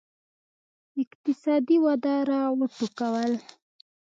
اقتصادي وده را وټوکول.